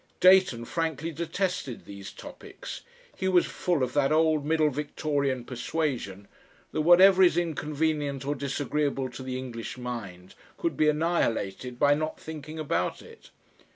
Dayton frankly detested these topics. He was full of that old Middle Victorian persuasion that whatever is inconvenient or disagreeable to the English mind could be annihilated by not thinking about it.